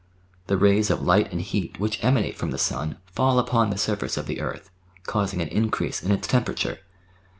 The rays of light and heat which emanate from the sun fall upon the surface of the earth, causing an increase in its temperature.